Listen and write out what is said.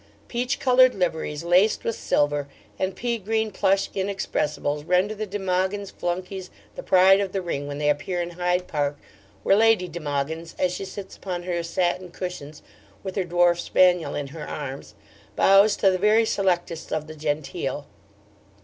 Peach coloured liveries laced with silver, and pea green plush inexpressibles, render the De Mogyns' flunkeys the pride of the ring when they appear in Hyde Park where Lady de Mogyns, as she sits upon her satin cushions, with her dwarf spaniel in her arms, bows to the very selectest of the genteel.